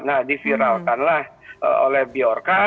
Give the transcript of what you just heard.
nah diviralkanlah oleh biorka